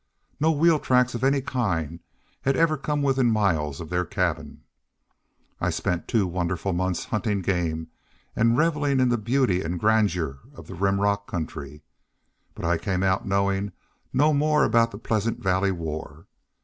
No wheel tracks of any kind had ever come within miles of their cabin. I spent two wonderful months hunting game and reveling in the beauty and grandeur of that Rim Rock country, but I came out knowing no more about the Pleasant Valley War.